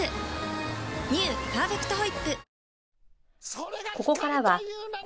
「パーフェクトホイップ」